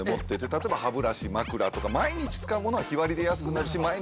例えば歯ブラシ枕とか毎日使うものは日割りで安くなるし毎日が快適に。